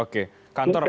oke kantor posnya